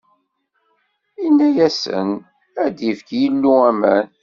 Inna-asen: Ad d-yefk Yillu aman.